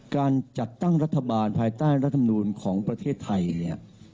การจัดตั้งรัฐบาลภายใต้รัฐมนูลของประเทศไทยเนี่ย